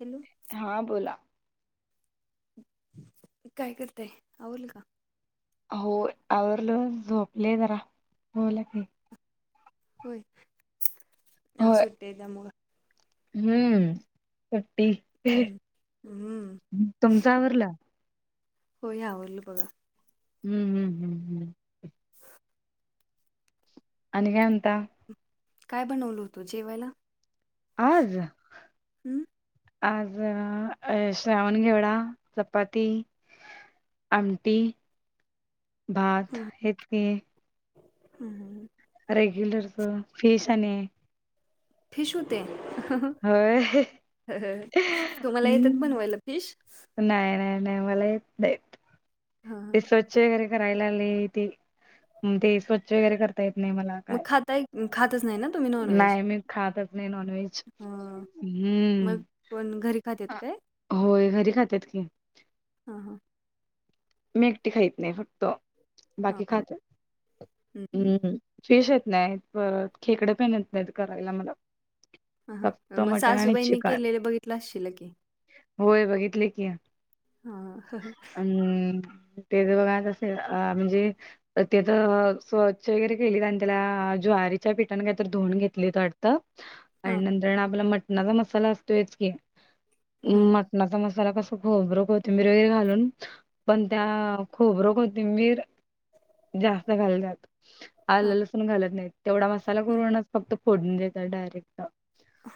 Hello. हा बोला. काय करतय. आवरल का. हो आवरलं झोपले जरा. होला की होय. आज सुट्टीय त्यामुळं. हंम्म. पट्टी. अहं. अह्म. तुमच आवरल. होय आवरल बघा. हं हं हं हं. आणि काय म्हणता. काय बनवल होतो जेवायला. आज. हम्म आज अ श्रावण घेवडा, चपाती. आमटी भात हेे. हा हम रेग्युलर त फीस आणि. फिश होते. हय. तुम्हाला येतात बनवायला फिश. नाय नाय नाय. मला येत नायत. हा ते स्वय वगैरे करायला लई ते, स्वच्छ वगैरे कर येत नाही मला. मग काय खाताय, खातच नाही ना. तुम्ही नॉनव्हेज नाही मी खातच नाही नॉनव्हेज. हा हम्म. मग पण घरी खाते होय घरी खात्यात की. हां हां. मी एकटी खाईत नाही फक्त हां बाकी हां खात हम्म. फेश येत नाहीत परत खेकडे पण येत नाहीत करायला मला. ह ह फक्त मग मटण आणि सासूबाईंनी चिकन केलेले बघितलं असशील की. होय बघितले की हां हां अ.. ते ज बघा असे अ म्हणजे तर ते तर स्वच्छ वगैरे केले आणि त्याला ज्वारीच्या पीठानं काही तर धुवून घेतली तर. आणि हां नंतर आपला मटणाचा मसाला असतोच की. हां ता मसाला कस खबकत मिीर वगैरे घालून. पण त्या खोबरं कोथिंबीर जास्त घालतात. आलं लसूण घालत नाही तेवढा मसाला करूनच फक्त फोडून देतात डायरेक्ट.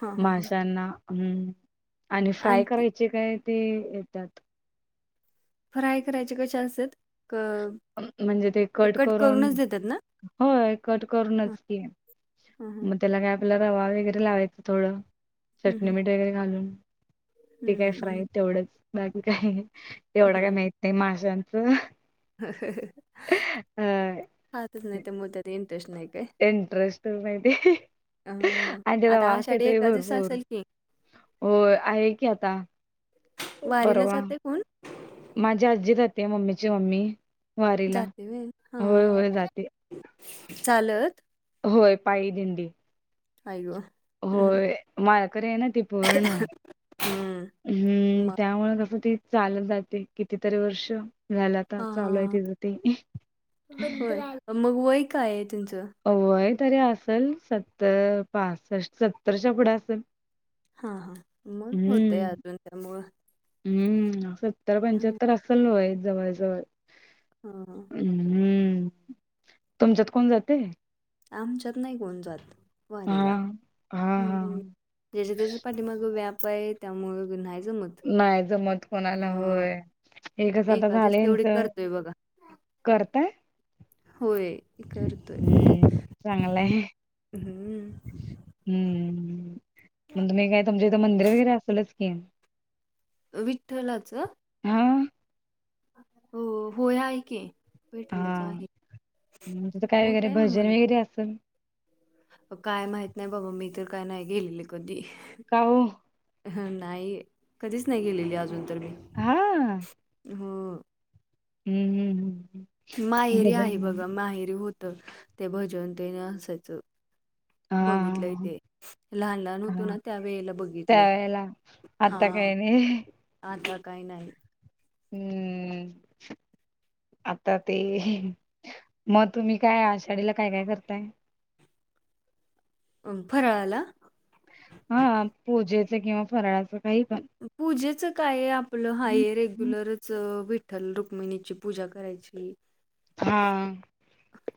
हां हां हां माशांना हम्म आणि फ्राय करायच. जे काय ते येतात. फ्राय करायचे कशा असतात अं, म्हणजे ते कट करून करूनच देतात ना. होय कट करूनच क. हां हां. त्याला काय आपला रवा वगरे लावायचं थोडं चटणी हं मीठ वगैरे घालून. ते काय हं फ्राय तेवढंच बाकी काही तेवढं काय माहत नाही माशांचं. ह [unintelligible] हम [unintelligible] हच नाही ते मुद्या. नन टश्न नाही आहे का आहे. इंटरेस्ट माहिती. हं आणि त्याचा आता वास आषाढी येतोय एकादस भरपूर असेल की हो आहे की आता. वारीला बरोवा जाते कोण? माझी आजी जाते मम्मीची मम्मी. वारीला जाते व्हय हा होय हा होय जाते. चालत. होय पाळी दिंडी. अरे वा! होय माया्याकडे ये ना ती पूर्ण. हम्म मग त्यामुळे कसं ती चालत जाते कितीतरी वर्ष. झालं आता हा चालू आहे तिचं ते होय मग वय काय तुमचं? अवय तरी असेल सत्तर पासष्ट सत्तरच्या पुढे असेल. हा हा मग होतय हम्म अजून त्यामुळं. हम्म सत्तर हं पंच्याहत्तर असेल नाय जवळ जवळ. हा. हम् हम्म तुमच्यात कोण जाते? आमच्यात नाही कोण जात हा वारीला हा ह. हा ज्याच्या त्याच्या पाठीमाग व्याप आहे त्यामुळे न्हाय जमत. नाही जमत कोणाला हा होय हे कसं आता एकादस तेवढी झालंच. करतोय बघा. करता. होय. हम्म चांगलंय. हम्म. हम्म मग तुम्ही काय तुमच्या इथं मंदिर वगैरे असेलच की विठ्ठलाचं. हा. हो होय ऐक बैठलाच हा आहे. तिथं काय वगरे मोठा आहे भजन मग वगैरे असेल. काय माहित नाही बाबा मी तर काय नाही गेलेले कधी. काऊ. ह नाही कधीच नाही गेलेली अजून तर मी हा हम्म हो. हम्म हम् हम् ह. माहेरी आहे बघा माहेरी होत ते भजन तेन असायचं. हा बघितलंय ते लहान लहान होतो ना त्या वेळेला बघित त्यावेळेला. आता काय नाही. आता ला काही नाही आहे. हम्म. आता ते मग तुम्ही काय आषाढीला काय काय करताय? फराळाला हा पूजेच किंवा फराळाचं काही पण. पूजेच काय आपलं हाय रेग्युलरच विठ्ठल रुक्मिणीची पूजा करायची. [inaudible] हा.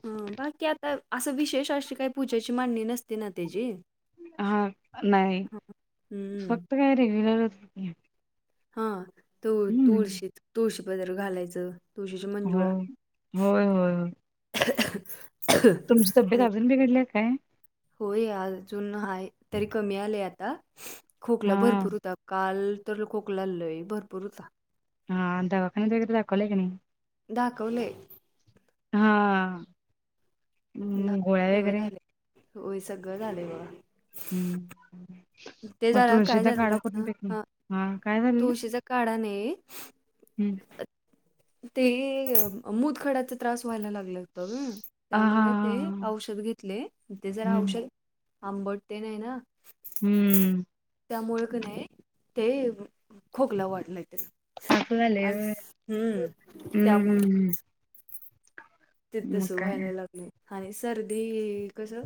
ह बाकी आता असं विशेष अशी काही पूजेची मांडणी नसते ना त्याची. हा नाही हं. हम्म फक्त काय रेग्युलर होत हो. हा तळ तुळशी तुळशी पदार घालायचं. तुळशीची हो मंजुळा. होय होय होय तुमची तब्येत आणि अजून बिघडली आहे काय? होय अजून हाय तरी कमी आलेय आता खोकला हा भरपूर होता काल तर लय खोकला भरपूर होतता. हा दवाखान्यात वगैरे दाखवला आहे का नाही दाखवले. हा. म गोळ्या सगळ वगैरे झाले वय सगळं झाले बघा. हम्म ते मगं झालं काय तुळशीचा काडा करून झालं पीत हा नाही. हा काय झालेलं तुळशीच्या काढाने हम्म. ते मुतखड्याचा त्रास व्हायला लागला. हा हा त्यामुळे हा ते हा. औषध घेतले ते जरा हम्म औषध. आंबट तेन आहे ना. हम्म. त्यामुळ क नाही ते खोकला वाढलंय त्यान. असं झालंय आणि होय हम्म हम्म त्यामुळे. हम्म ते हम्म. मग तसं काय व्हायला लागले. आणि सर्दी कसं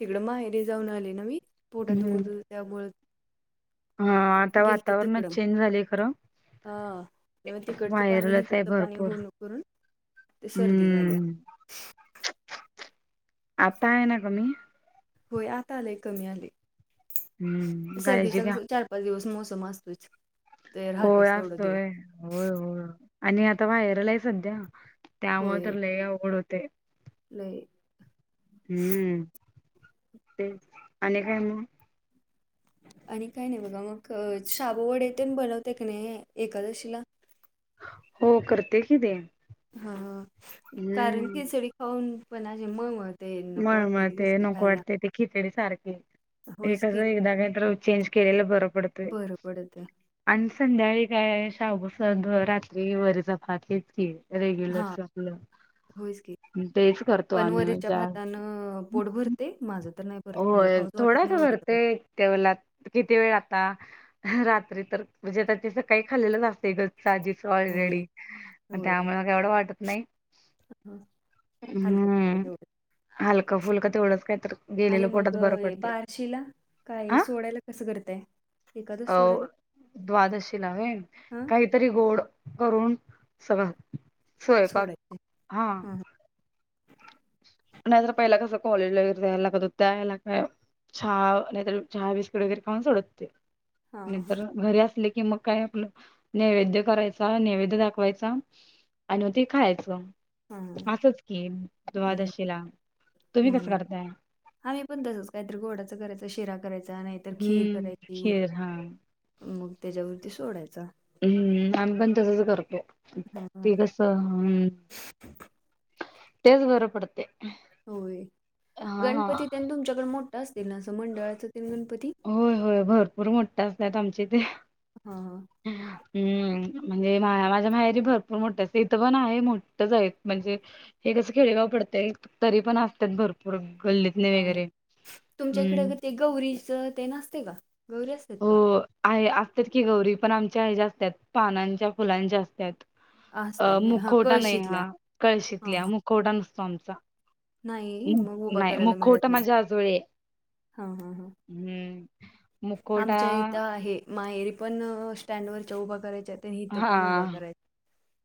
तिकडं माहेरी जाऊन आली न वी पोटा दुखु हम्म त्यामुळे हा आता वातावरणच तिकडं. चेंज झालेय खरं हा आणि मग तिकडचं पाणी व्हायरलच आहे हिकडचं पाणी भरपूर होऊन करून ते सर्दी झाले हम्म आता आहे ना कमी होय आता आलेय कमी आले हम्म काळजी सर्दीचा घ्या कस चार पाच दिवस मोसम असतोयच. होय असतोय. होय होय आणि आता व्हायरलाय सध्या त्यामुळ होय तर लय अवघड होते. लय. हम्म तेच आणि काय मगं. आणि काय नाही बघा मग शाबूवडे तेन बनवताय का नाही एकादशीला? हो करते कि ते. हा कारण हम्म खिचडी खाऊन पुन्हा आणि मळमळत. मळमळते नको वाटते ते खिचडी सारखे हे होयच कसं की एकदा काही तरं चेंज. केलेलं बरं पडत. बरं पडते. आणि संध्याकाळी काय शाबु संग रात्री वरीचा भाातच हेच की. हा रेग्युलर आपलं होयच की तेच करतो पण आम्ही म्हज वरीच्या भातानं पोट भरते माझ तर नाही भरत हो मला खाऊच वाटत थोडा नाही तर वरीचा भरते भात जेवलात किती वेळ आता रात्री तर म्हणजे आता ते सकाळी खाल्लं असते ग. साजीच होय ऑलरेडी होय त्यामुळे म एवढं वाटत नाही हलकं फुलकं हम्म तेवढंच हलकां फुलकं तेवढंच काय तर आणि गेलेलं मग पोटात बरं पडते बारशीला काय हा सोडायला कसं करतय अ द्वादशीला होय हा काय तरी गोड करून सगळं सोयपाक सोडायचे हा नाहीतर पहिला कसं कॉलेजला वैगेरे जायला लागत होत त्यावेळेला काय चहा नाहीतर चहा बिस्किट वगैरे खाऊन सोडतते हा नर घरी असले क कि मग काय आपलं नैवेद्य करायचा नैवेद्य दाखवायचा आणि ते खायचं हा असच की हम्म द्वादशीला तुम्ही कस हम्म करताय आम्ही पण तसच काहीतरी गोडाच करायच, शिरा करायचा, नाहीतर खीर हम्म करायची. खीर हा मग त्याच्यावरती सोडायचा हम्म आम्ही पण तसच करतोय हा हा दिवस ह तेच बरं पडते होय हा गणपती त्यांनी तुमच्याकडे मोठा असतील ना असं मंडळाच त्यां गणपती होय होय भरपूर मोठठा असतत आमचे ते हा हा हम्म म्हणजे मा माझ्या माहेरी भरपूर मोठ असते इथं पण आहे मोठच आहेत म्हणजे हे कस खेळगाव पडतय तरी पण असतात भरपूर गल्लीत अ तुमच्या इकडे ते गौरीचं ते नसते का गौरी असतात का हो, आहे असत्यात की गौरी पण आमच्या हेज्या असत्यात पानांच्या, फुलांच्या असत्यात. अ असतात हा मुखवटा नाही कळशीतल्या हा हा कळशीतल्या हा मुखवटा नसतो आमचा नाही मग उभा नाही मग करायला मिळत खोटं नाही माझ्या आजोळ हा हा ह मुखवटा आमच्या इथं आहे माहेरी पण स्टँडवर च उभा करायच्या आहेत हा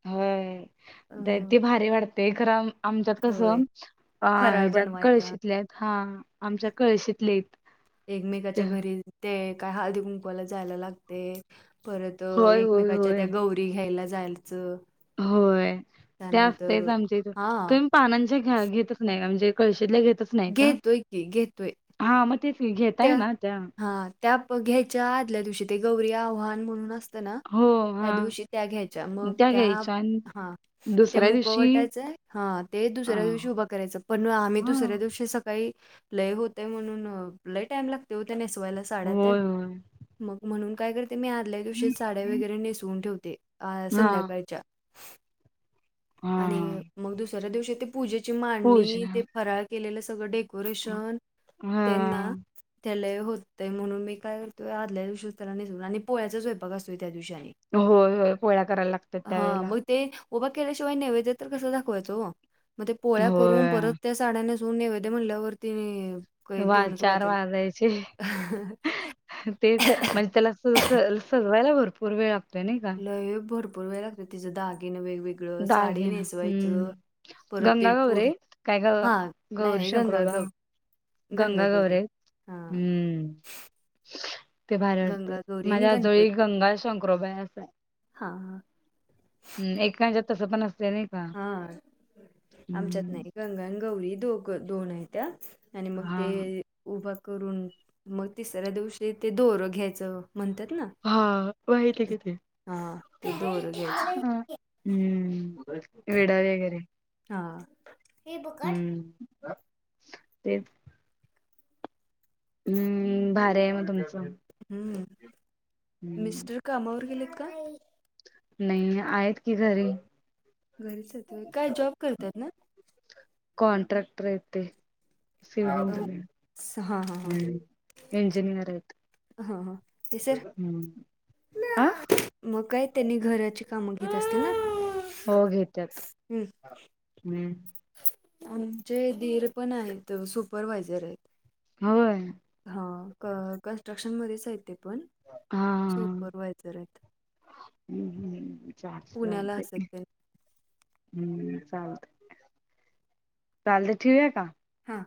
होय अ, ती भारी वाढते गरम आमच्यात होय कसं, फराळ ह्याच्यात बनवायचा कळशीतल्या हाईत, हा आमच्या कळशीतल्या हाईत. एकमेकाच्या घरी ते काय हळदी कुंकवायला जायला लागते परत होय होय एकमेकाच्या होय त्या गौरी घ्यायला जायचं होय ते त्यानंतर असतच आमच्या इथ हा तुम् पानांच्या घ्या घेतच नाही म्हणजे कळशीतल्या घेत. घेेतोय की घेतोय. हा म त्या हा त्या घ्यायच्या आदल्या दिवशी ते गौरी आव्हान म्हणून अस हो हा त्या दिवशी त्या घ्यायच्या मग त्या घ्यायच्या आणि हा ते दुसऱ्या मुक दिवशी वाटायचंय हा ते अ दुसऱ्या दिवशी उभा करायचं पण आम्ही हा दुसऱ्या दिवशी सकाळी लय होतय म्हणून आप टाम लागते होत नेसवायला साड्यात होय होय. मग म्हणून काय करते मी आदल्या दिवशी वगरे नेसवून ठेवते हा संध्याकाळच्या आणि हा मग दुसऱ्या दिवशी ते पूजेची मांडणी पूजा ते फराळ केलेलं सगळं डे कोरेशन त्यांना हा त्यालेय होतंय म्हणून मी काय करतोय आदल्या दिवशी त्याला नसून आणि पोळ्याचा स्वयंपाक असतोय त्या दिवशी आणि होय होय पोळ्या करायला लागतात हां त्यावेेळेला. मग ते उभा केल्याशिवाय नैवेद्य तर कस दाखवायचं मग ते पोळ्या करून परत होय त्या. साड्या नेसून नैवेद्य म्हटल्यावरती. चार वाजायचे तेच म्हणजे ततेच. सजवायला भरपूर वेळ लागतोय. हे भरपूर वेळ लागते तिचें दागीने वेगवेगळे. साडी दागिना हम्म नेसवायचं परत ते गंगा पुढ गौरे काय ग हा नाही गौरी नाही शंकरोबा गंगा. गंगा गौरी हां. हम्म ते भारी पडते गंगागौरी आणि माझ्या गणपती आजोळी गंगा शंकरोबा असं आहे. हां हम् एककाांच्या तसं पण असते नाही. का हा आमच्यात हम्म नाही गंगा आणि गौरी दोन आहेत त्या. आणि मग हा ते. उभा करून मग तिसऱ्या दिवशी ते दोरं घ्यायचं म्हणतात ना. हा माहिती कि ते हा ते दोरं घ्यायचं. ह हम्. विडा वगैरे हा हे बघा. हम्म ते. हम्म भारी आहे मग तुमचं. हम्म हम्म मिस्टर कामावर गेलेत का? नाही आहेत की घरी. घरीच आहे काय जॉब करतात ना. कॉन्ट्रॅक्टर आहेत ते. अं, स- हा हा हा [inaudible] इंजिनियर आहेत. हा हा. हम्म आ मग काय त्यांनी घराची कामं घेत असतील ना. हो घेतात हम्म हम. आमचे धीर पण आहेत सुपरवा्हायझर आहेत. होय. हा क कन्स्ट्रक्शन मध्येच आहेत ते पण हा हा सुपरवायझर आहेत. हम्म हम् चालतंय पुण्याला चालतंय. असतात ते. हम्म चालत चालत ठेऊ आहे का. हा.